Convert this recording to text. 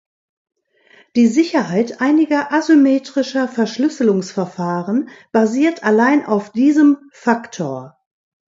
Die Sicherheit einiger asymmetrischer Verschlüsselungsverfahren basiert allein auf diesem Faktor.